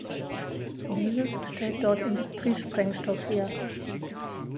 Dieses stellt dort Industrie-Sprengstoff her.